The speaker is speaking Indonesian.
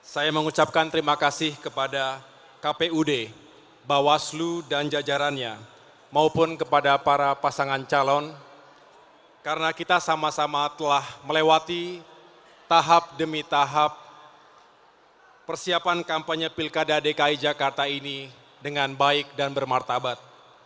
saya mengucapkan terima kasih kepada kpud bawaslu dan jajarannya maupun kepada para pasangan calon karena kita sama sama telah melewati tahap demi tahap persiapan kampanye pilkada dki jakarta ini dengan baik dan bermartabat